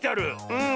うん。